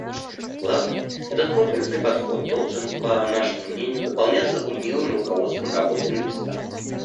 Главное, этот комплексный подход должен, по нашему мнению, дополняться умелым руководством работой на местах.